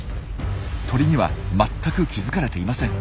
鳥には全く気付かれていません。